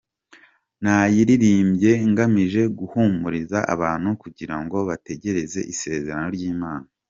Nayiririmbye ngamije guhumuriza abantu kugira ngo bategereze isezerano ry'Imana.